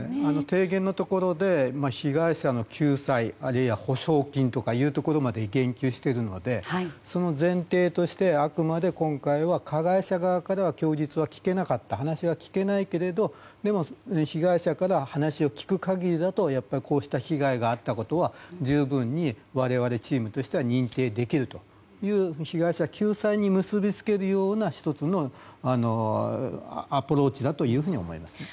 提言のところで被害者の救済あるいは補償金というところまで言及しているのでその前提として、あくまで今回は加害者側からは話は聞けないけれどでも、被害者から話を聞く限りだとやっぱり、こうした被害があったことは十分に我々、チームとしては認定できるという被害者救済に結び付けるような１つのアプローチだと思います。